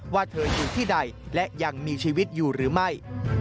ว่าเธออยู่ที่ใดและยังมีชีวิตอยู่หรือไม่